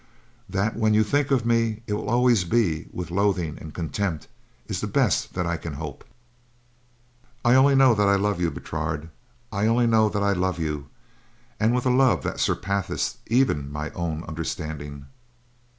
That, when you think of me, it will always be with loathing and contempt is the best that I can hope. "I only know that I love you, Bertrade; I only know that I love you, and with a love that surpasseth even my own understanding.